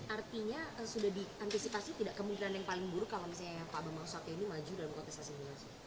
artinya sudah diantisipasi tidak kemungkinan yang paling buruk kalau misalnya pak bambang susatyo ini maju dalam kontestasi